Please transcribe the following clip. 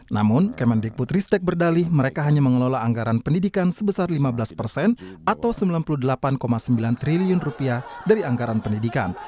namun kemendik putristek berdalih mereka hanya mengelola anggaran pendidikan sebesar lima belas persen atau sembilan puluh delapan sembilan triliun rupiah dari anggaran pendidikan